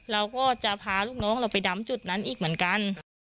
เราก็จะพาลูกน้องเราไปดำจุดนั้นอีกเหมือนกัน